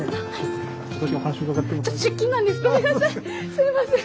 すいません。